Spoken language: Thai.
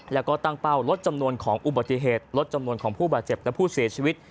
แล้วก็ตั้งเป้าลดจำนวนของอุบัติเหตุลดจำนวนของผู้บาดเจ็บและผู้เสียชีวิต